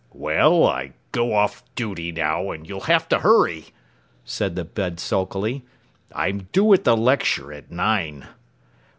"Well, I go off duty now, and you'll have to hurry," said the bed sulkily. "I'm due at the lecture at nine."